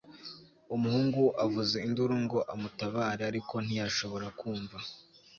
umuhungu avuza induru ngo amutabare, ariko ntiyashobora kumva